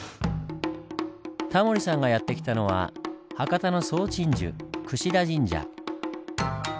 タモリさんがやって来たのは博多の総鎮守田神社。